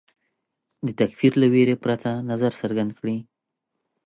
د تکفیر له وېرې پرته نظر څرګند کړي